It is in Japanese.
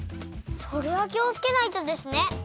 それはきをつけないとですね！